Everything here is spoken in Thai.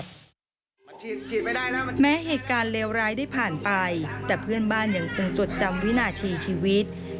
มันแม้เหตุการณ์เลวร้ายได้ผ่านไปแต่เพื่อนบ้านยังคงจดจำวินาทีชีวิต